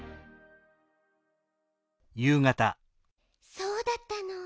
そうだったの。